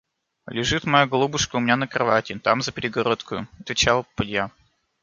– Лежит, моя голубушка, у меня на кровати, там за перегородкою, – отвечала попадья.